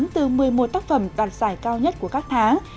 từ một mươi một tác phẩm đoạt giải cao nhất của các tháng